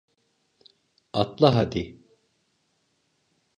Atla hadi!